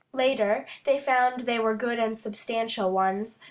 Later, they found they were good and substantial ones.